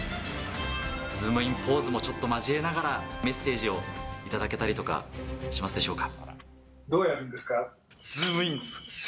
ズームインポーズもちょっと交えながら、メッセージを頂けたりとかしますでしょうか。